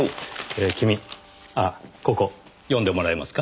君あっここ読んでもらえますか？